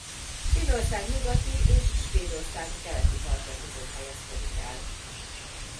Finnország nyugati és Svédország keleti partja között helyezkedik el.